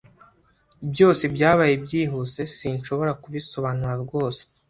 Byose byabaye byihuse, sinshobora kubisobanura rwose.